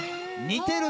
似てる！